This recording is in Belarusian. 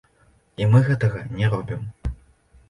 І мы гэтага не робім.